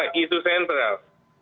itu menjadi isu sentral